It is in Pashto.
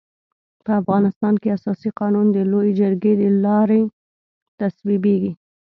په افغانستان کي اساسي قانون د لويي جرګي د لاري تصويبيږي.